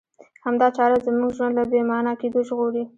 همدا چاره زموږ ژوند له بې مانا کېدو ژغوري.